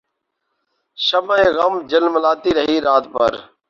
شمع غم جھلملاتی رہی رات بھر